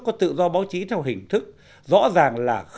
có tự do báo chí theo hình thức rõ ràng là không được đưa ra